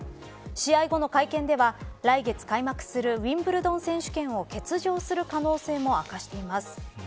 試合後の会見では来月開幕するウィンブルドン選手権を欠場する可能性も明かしています。